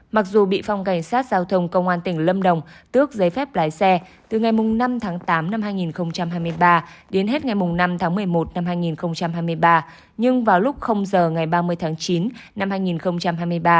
mặc dù bị phòng cảnh sát giao thông công an tỉnh lâm đồng tước giấy phép lái xe từ ngày năm tháng tám năm hai nghìn hai mươi ba đến hết ngày năm tháng một mươi một năm hai nghìn hai mươi ba nhưng vào lúc giờ ngày ba mươi tháng chín năm hai nghìn hai mươi ba